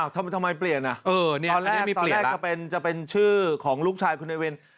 ทำไมเปลี่ยนน่ะตอนแรกจะเป็นชื่อของลูกชายคุณเอวิน